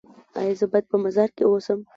ایا زه باید په مزار کې اوسم؟